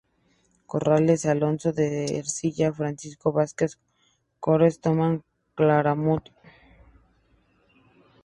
Corrales, Alonso de Ercilla, Francisco Vázquez Cores, Tomás Claramunt.